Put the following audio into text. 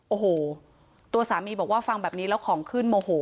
โอ้โหตัวสามีบอกว่าฟังแบบนี้แล้วของขึ้นโมโห